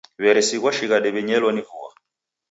W'eresighwa shighadi w'inyelo ni vua.